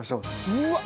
うわっ！